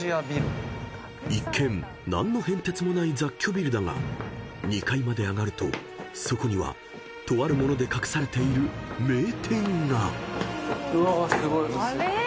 ［一見何の変哲もない雑居ビルだが２階まで上がるとそこにはとある物で隠されている名店が］あれ？